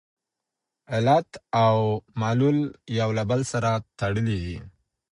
علت او معلول یو له بل سره تړلي دي.